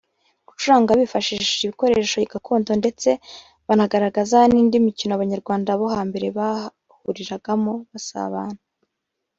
gucuranga bifashishije ibikoresho gakondo ndetse banagaragaza n’indi mikino Abanyarwanda bo ha mbere bahuriragamo basabana